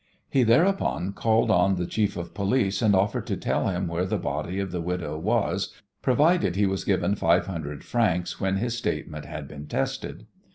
He, thereupon, called on the chief of police, and offered to tell him where the body of the widow was provided he was given five hundred francs when his statement had been tested.